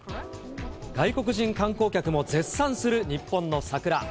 外国人観光客も絶賛する日本の桜。